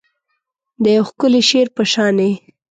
د یو ښکلي شعر په شاني